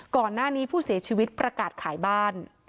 ก่อนหน้านี้ผู้เสียชีวิตประกาศขายบ้าน